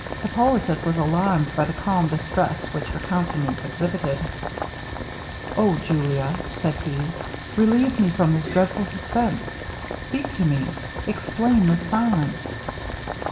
Hippolitus was alarmed by the calm distress which her countenance exhibited. 'O! Julia,' said he, 'relieve me from this dreadful suspense! speak to me explain this silence.'